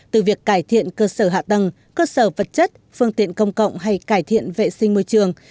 từ việc cải thiện cơ sở hạ tầng cơ sở vật chất phương tiện công cộng hay cải thiện vệ sinh môi trường